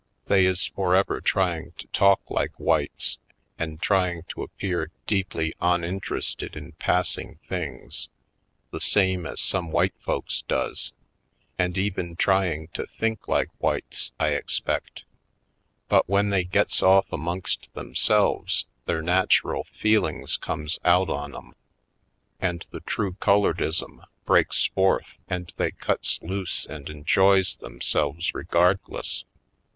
They is forever trying to talk like whites and trying to appear deeply onin terested in passing things, the same as some white folks does, and even trying to think like whites, I expect. But when they gets Black Belt 145 off amongst themselves their natural feel ings comes out on 'em and the true colored ism breaks forth and they cuts loose and en joys themselves regardless.